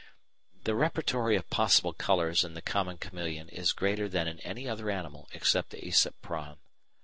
The repertory of possible colours in the common chameleon is greater than in any other animal except the Æsop prawn.